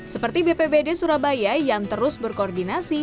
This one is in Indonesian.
seperti bppd surabaya yang terus berkoordinasi